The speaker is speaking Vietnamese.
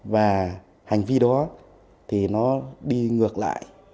và hành vi đó thì nó đi ngược lại